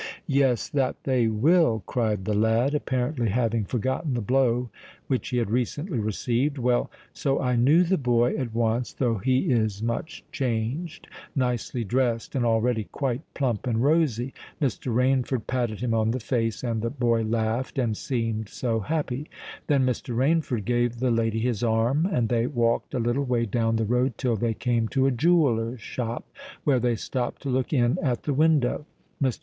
"Yes—that they will!" cried the lad, apparently having forgotten the blow which he had recently received. "Well, so I knew the boy at once, though he is much changed—nicely dressed, and already quite plump and rosy. Mr. Rainford patted him on the face, and the boy laughed and seemed so happy! Then Mr. Rainford gave the lady his arm; and they walked a little way down the road till they came to a jeweller's shop, where they stopped to look in at the window. Mr.